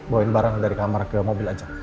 bawain barang dari kamar ke mobil aja